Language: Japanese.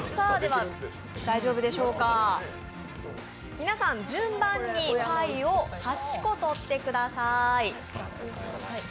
皆さん、順番にパイを８個取ってください。